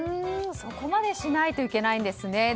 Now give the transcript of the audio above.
そこまでしないといけないんですね。